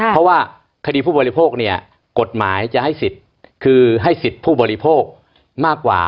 เพราะว่าคดีผู้บริโภคเนี่ยกฎหมายจะให้สิทธิ์คือให้สิทธิ์ผู้บริโภคมากกว่า